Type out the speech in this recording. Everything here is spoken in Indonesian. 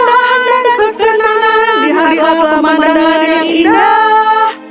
lihatlah pemandangan yang indah